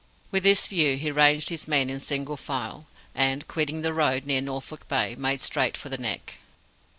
With this view, he ranged his men in single file; and, quitting the road near Norfolk Bay, made straight for the Neck.